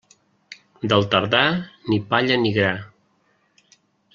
Del tardà, ni palla ni gra.